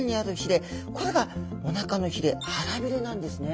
これがおなかのひれ腹びれなんですね。